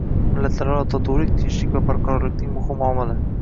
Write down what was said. Millatlararo totuvlik – tinchlik va barqarorlikning muhim omili